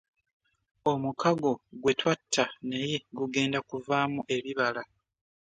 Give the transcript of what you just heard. Omukago gwe twatta naye gugenda kuvaamu ebibala.